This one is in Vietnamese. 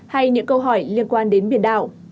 hay những câu hỏi liên quan đến biển đảo